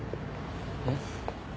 えっ？